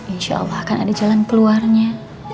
insya allah akan ada jalan keluarnya